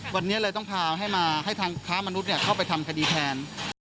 วันนี้เลยต้องพาให้มาให้ทางค้ามนุษย์เข้าไปทำคดีแทน